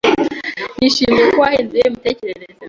Nishimiye ko wahinduye imitekerereze.